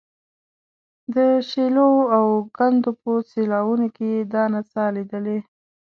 د شیلو او کندو په سیلاوونو کې یې دا نڅا لیدلې.